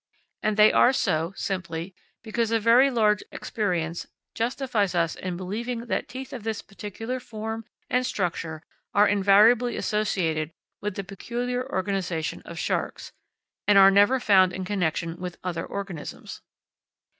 And they are so, simply because a very large experience justifies us in believing that teeth of this particular form and structure are invariably associated with the peculiar organisation of sharks, and are never found in connection with other organisms.